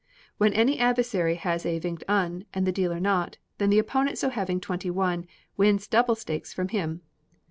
When any adversary has a Vingt un, and the dealer not, then the opponent so having twenty one, wins double stakes from him.